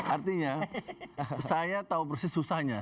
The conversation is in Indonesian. artinya saya tahu persis susahnya